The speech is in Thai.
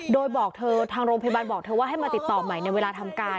โดยบอกเธอทางโรงพยาบาลบอกเธอว่าให้มาติดต่อใหม่ในเวลาทำการ